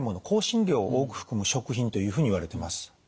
香辛料を多く含む食品というふうにいわれてます。